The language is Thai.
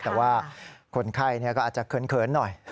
แต่ว่าคนไข้ก็อาจจะเขินหน่อย